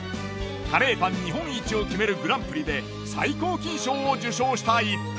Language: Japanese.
カレーパン日本一を決めるグランプリで最高金賞を受賞した逸品。